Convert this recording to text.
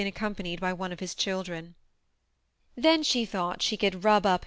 accompanied bj one of his children. Then she thought she could rub up.